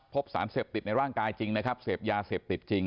พบสารเสพติดในร่างกายจริงนะครับ